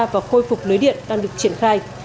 và khôi phục lưới điện đang được triển khai